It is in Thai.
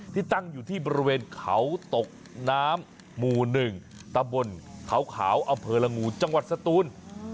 ที่ตั้งอยู่ที่บริเวณเขาตกน้ำหมู่หนึ่งตะบนเขาขาวอเผลงงูจังหวัดสตูน